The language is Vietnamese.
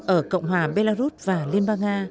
ở cộng hòa belarus và liên bang nga